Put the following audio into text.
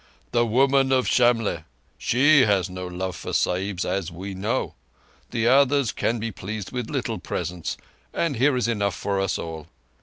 "The Woman of Shamlegh. She has no love for Sahibs, as we know. The others can be pleased with little presents; and here is enough for us all."